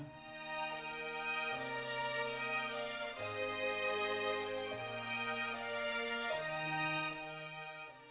โปรดติดตามตอนต่อไป